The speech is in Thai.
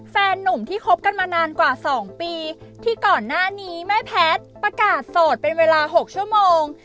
แฟนนุ่มที่คบกันมานานกว่า๒ปีที่ก่อนหน้านี้แม่แพทย์ประกาศโสดเป็นเวลา๖ชั่วโมง